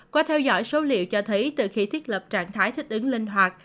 qua theo dõi số liệu cho thấy từ khi thiết lập trạng thái thích ứng linh hoạt